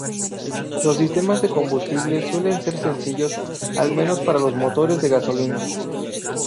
Los sistemas de combustible suelen ser sencillos, al menos para los motores de gasolina.